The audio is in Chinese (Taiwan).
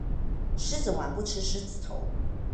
獅子丸不吃獅子頭